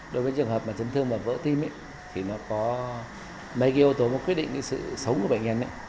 đối với trường hợp chấn thương và vỡ tim thì nó có mấy cái ô tô quyết định sự sống của bệnh nhân